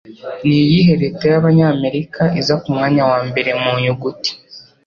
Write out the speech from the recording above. Niyihe leta y'Abanyamerika iza ku mwanya wa mbere mu nyuguti?